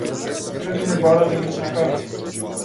Сега ќе ми бараат и лична карта.